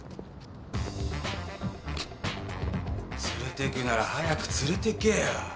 連れてくなら早く連れてけよ。